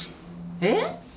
えっ！？